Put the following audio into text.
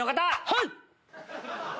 はい！